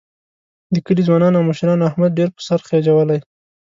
د کلي ځوانانو او مشرانو احمد ډېر په سر خېجولی.